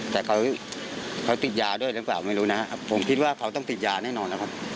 แต่เขาติดยาด้วยหรือเปล่าไม่รู้นะครับผมคิดว่าเขาต้องติดยาแน่นอนนะครับ